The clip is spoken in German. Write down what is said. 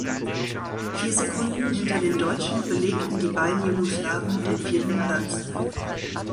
Vier Sekunden hinter den Deutschen belegten die beiden Jugoslawen den vierten Platz.